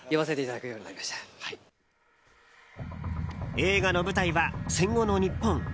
映画の舞台は戦後の日本。